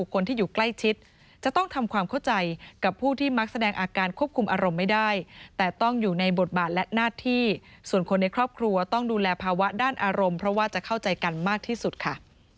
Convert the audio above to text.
คนที่อยู่ใกล้ชิดจะต้องทำความเข้าใจกับผู้ที่มักแสดงอาการควบคุมอารมณ์ไม่ได้แต่ต้องอยู่ในบทบาทและหน้าที่ส่วนคนในครอบครัวต้องดูแลภาวะด้านอารมณ์เพราะว่าจะเข้าใจกันมากที่สุดค่ะ